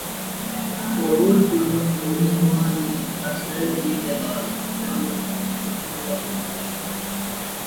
Por último, en el mismo año, la sede de Vigevano termina su actividad productiva.